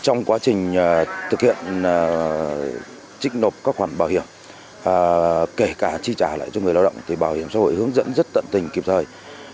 trong quá trình thực hiện trích nộp các khoản bảo hiểm kể cả chi trả lại cho người lao động thì bảo hiểm xã hội hướng dẫn rất tận tình kịp thời